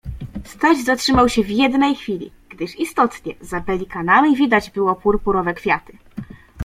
Staś zatrzymał sie w jednej chwili, gdyż istotnie za pelikanami było widać purpurowe kwiaty.